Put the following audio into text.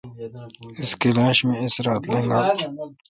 اس کلاش می اس رات لیگلا۔